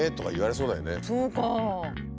そうか。